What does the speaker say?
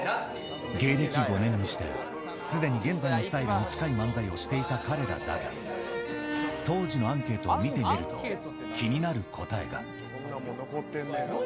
芸歴５年にして、すでに現在のスタイルに近い漫才をしていた彼らだが、当時のアンケートを見てみると、気になる答えが。